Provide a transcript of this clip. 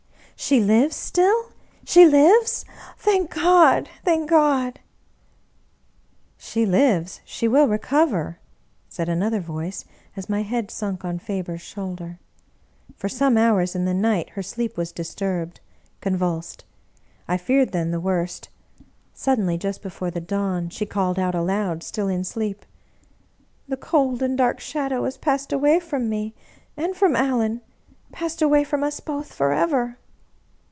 *' She lives still — she lives ! Thank God, thank God 1 "" She lives — she will recover !" said another voice, as my head sunk on Faber's shoulder. *' For some hours in the night her sleep was disturbed, convulsed. I feared, then, the worst. Suddenly, just before the dawn, she called out aloud, still in sleep :"* The cold and dark shadow has passed away from me and from Allen — passed away from us both forever